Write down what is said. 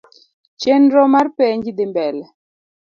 Chenro mar penj dhi mbele.